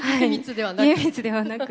家光ではなく？